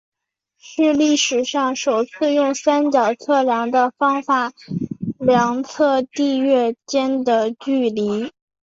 是历史上首次用三角测量的方法量测地月间的距离。